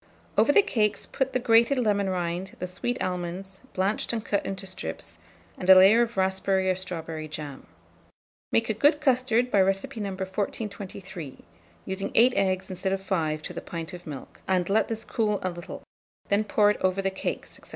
Over the cakes put the grated lemon rind, the sweet almonds, blanched and cut into strips, and a layer of raspberry or strawberry jam. Make a good custard by recipe No. 1423, using 8 instead of 5 eggs to the pint of milk, and let this cool a little; then pour it over the cakes, &c.